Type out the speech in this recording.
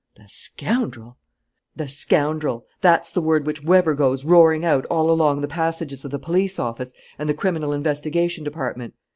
"The scoundrel!" "The scoundrel: that's the word which Weber goes roaring out all along the passages of the police office and the criminal investigation department.